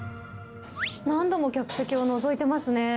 何度も客席をのぞいてますね。